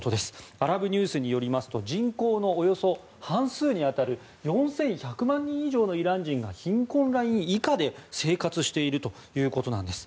アラブニュースによりますと人口のおよそ半数に当たる４１００万人以上のイラン人が貧困ライン以下で生活しているということです。